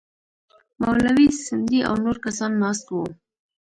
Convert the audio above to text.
مولوي سندی او نور کسان ناست وو.